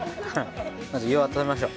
まず胃を温めましょう。